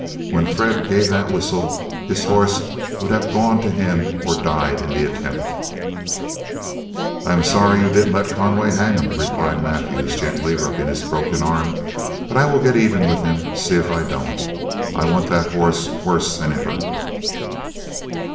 When Fred gave that whistle his horse would have gone to him, or died in the attempt." "I am sorry you didn't let Conway hang him," replied Mathews, gently rubbing his broken arm, "but I will get even with him, see if I don't. I want that hoss worse than ever."